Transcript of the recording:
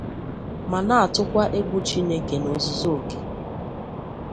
ma na-atụkwa egwu Chineke n'ozuzuokè